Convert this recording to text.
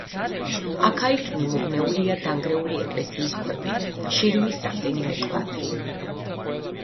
აქა-იქ მიმობნეულია დანგრეული ეკლესიის ქვები და შირიმის რამდენიმე კვადრი.